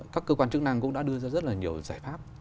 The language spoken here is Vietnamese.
các cơ quan chức năng cũng đã đưa ra rất là nhiều giải pháp